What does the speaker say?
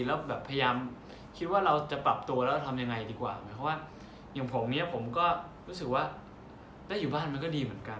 แล้วแบบพยายามคิดว่าเราจะปรับตัวแล้วทำยังไงดีกว่าหมายความว่าอย่างผมเนี่ยผมก็รู้สึกว่าได้อยู่บ้านมันก็ดีเหมือนกัน